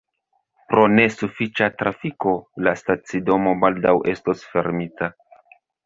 Pro ne sufiĉa trafiko, la stacidomo baldaŭ estos fermita.